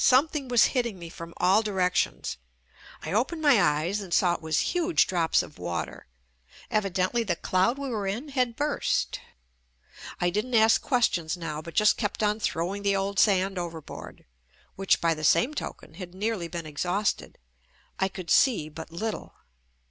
Something was hitting me from all directions. I opened my eyes and saw it was huge drops of water. Evidently the cloud we were in had burst. I didn't ask questions now JUST ME but just kept on throwing the old sand over board, which, by the same token, had nearly been exhausted. I could see but little.